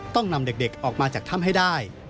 ต้องนำเด็กออกมาจากถ้ำให้ได้